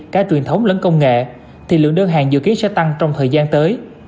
cá truyền thống lẫn công nghệ thì lượng đơn hàng dự kiến sẽ tăng trong thời gian tới